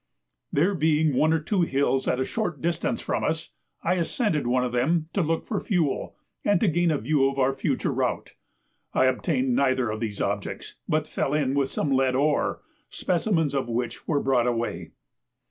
There being one or two hills at a short distance from us, I ascended one of them to look for fuel, and to gain a view of our future route. I obtained neither of these objects, but fell in with some lead ore, specimens of which were brought away.